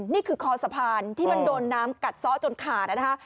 นี่คือคอสะพานที่มันโดนน้ำกัดซ้อจนขาดนะคะ